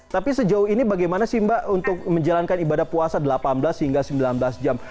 tapi sejauh ini bagaimana sih mbak untuk menjalankan ibadah puasa delapan belas hingga sembilan belas jam